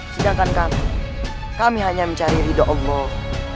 sedangkan kami kami hanya mencari ridho allah